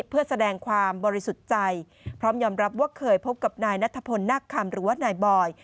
เพื่อแสดงความบริสุทธิ์ใจพร้อมยอมรับว่าเคยพบกับนายนัทพลนักคำหรือว่านายบอย